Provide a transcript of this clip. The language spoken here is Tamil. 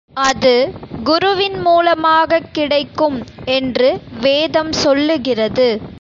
அது குருவின் மூலமாகக் கிடைக்கும் என்று வேதம் சொல்லுகிறது.